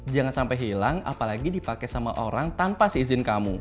jangan sampai hilang apalagi dipakai sama orang tanpa seizin kamu